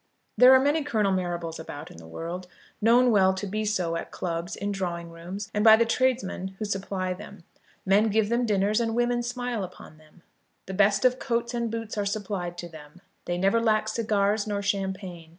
There are many Colonel Marrables about in the world, known well to be so at clubs, in drawing rooms, and by the tradesmen who supply them. Men give them dinners and women smile upon them. The best of coats and boots are supplied to them. They never lack cigars nor champagne.